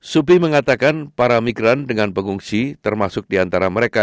subi mengatakan para migran dengan pengungsi termasuk di antara mereka